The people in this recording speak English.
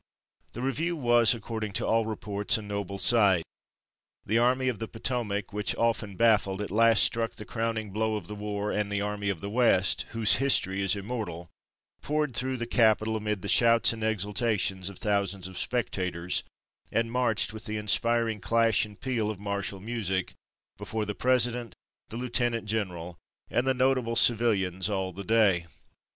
The review was, according to all reports, a noble sight. The Army of the Potomac, which, often baffled, at last struck the crowning blow of the war, and the Army of the West, whose history is immortal, poured through the capital amid the shouts and exultation of thousands of spectators, and marched, with the inspiring clash and peal of martial music, before the President, the Lieutenant General, and the notable civilians all the day.